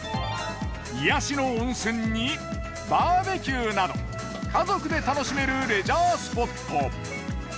癒やしの温泉にバーベキューなど家族で楽しめるレジャースポット。